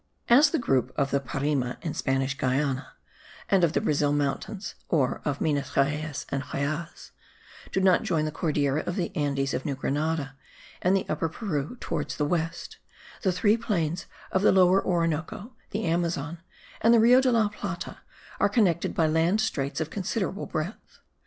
As the group of the Parime in Spanish Guiana, and of the Brazil mountains (or of Minas Geraes and Goyaz), do not join the Cordillera of the Andes of New Grenada and Upper Peru towards the west, the three plains of the Lower Orinoco, the Amazon, and the Rio de la Plata, are connected by land straits of considerable breadth.